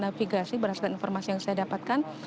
navigasi berdasarkan informasi yang saya dapatkan